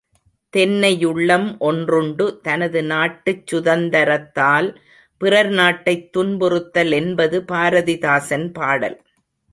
தென்னையுள்ளம் ஒன்றுண்டு தனது நாட்டுச் சுதந்தரத்தால் பிறர் நாட்டைத் துன்புறுத்தல் என்பது பாரதிதாசன் பாடல்.